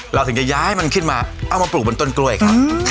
ถึงจะย้ายมันขึ้นมาเอามาปลูกบนต้นกล้วยครับ